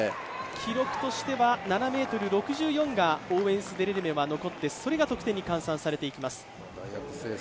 記録としては７ｍ６４がオーウェンス・デレルメが残ってそれが得点に換算されていきます。